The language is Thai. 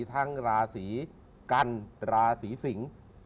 ทั้งราศรีกัณฑ์ราศรีสิงศ์